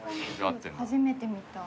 初めて見た。